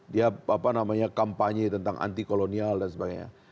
dia apa namanya kampanye tentang anti kolonial dan sebagainya